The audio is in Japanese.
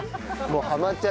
もう。